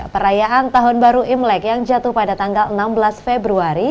perayaan tahun baru imlek yang jatuh pada tanggal enam belas februari